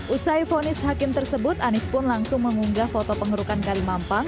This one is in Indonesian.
usai fonis hakim tersebut anies pun langsung mengunggah foto pengerukan kalimampang